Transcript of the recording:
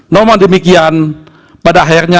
namun demikian pada akhirnya